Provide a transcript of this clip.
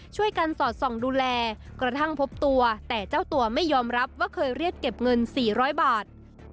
ช่วยกันสอดส่องดูแลกระทั่งพบตัวแต่เจ้าตัวไม่ยอมรับว่าเคยเรียกเก็บเงิน๔๐๐บาท